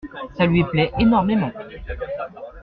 Ça lui plait énormément.